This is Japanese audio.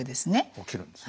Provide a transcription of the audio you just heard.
起きるんですね。